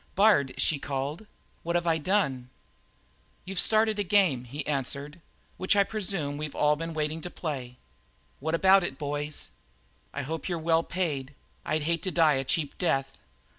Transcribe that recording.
"Bard," she called, "what have I done?" "You've started a game," he answered, "which I presume we've all been waiting to play. What about it, boys? I hope you're well paid; I'd hate to die a cheap death."